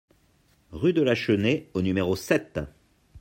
Rue de la Chenée au numéro sept